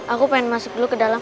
aku pengen masuk dulu ke dalam